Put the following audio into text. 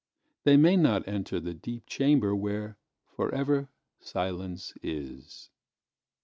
They may not enter the deep chamber whereForever silence is.